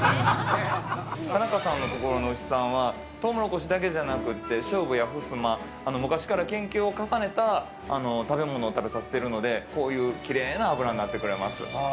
田中さんのところの牛さんはトウモロコシだけじゃなくて昔から研究を重ねた食べ物を食べさせているのでこういうきれいな脂になってくれます。